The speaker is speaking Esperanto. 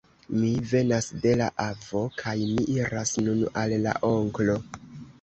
Mi venas de la avo; kaj mi iras nun al la onklo.